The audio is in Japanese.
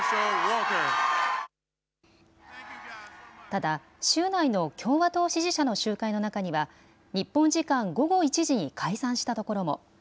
ただ、州内の共和党支持者の集会の中には、日本時間午後１時に解散したところも。